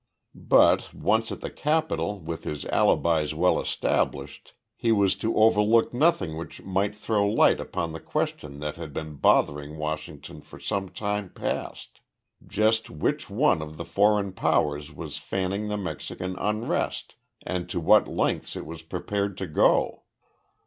But, once at the capital with his alibis well established, he was to overlook nothing which might throw light upon the question that had been bothering Washington for some time past just which one of the foreign powers was fanning the Mexican unrest and to what lengths it was prepared to go?